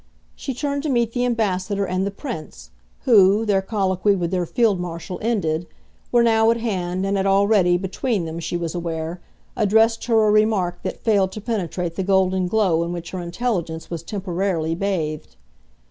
She turned to meet the Ambassador and the Prince, who, their colloquy with their Field Marshal ended, were now at hand and had already, between them, she was aware, addressed her a remark that failed to penetrate the golden glow in which her intelligence was temporarily bathed.